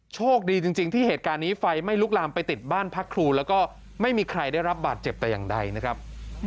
โชคดีจริงที่เหตุการณ์นี้ไฟไม่ลุกลามไปติดบ้านพักครูแล้วก็ไม่มีใครได้รับบาดเจ็บแต่อย่างใดนะครับ